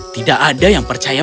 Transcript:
tidak ada yang percaya